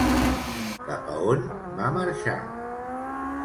Cap a on va marxar?